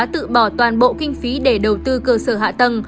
tự bỏ toàn bộ kinh phí để đầu tư cơ sở hạ tầng